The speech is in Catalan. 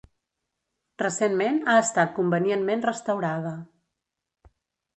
Recentment ha estat convenientment restaurada.